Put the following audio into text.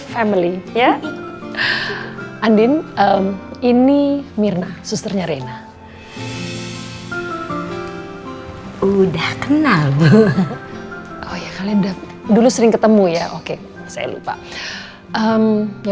family ya andin ini mirna susternya rena udah kenal dulu sering ketemu ya oke saya lupa ya